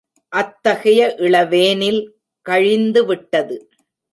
அத்தகைய இளவேனில் கழிந்து விட்டது.